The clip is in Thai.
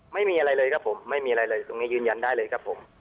ไม่มีอะไรเลยครับผมไม่มีอะไรเลยตรงนี้ยืนยันได้เลยครับผม